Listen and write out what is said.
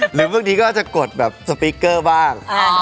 หรือบางทีก็อาจจะกดแบบสปีกเกอร์บ้าง